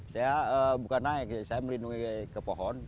saya bukan naik saya melindungi ke pohon